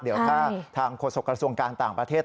เดี๋ยวถ้าทางโฆษกระทรวงการต่างประเทศ